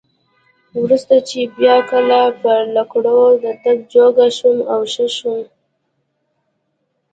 وروسته چې بیا کله پر لکړو د تګ جوګه شوم او ښه وم.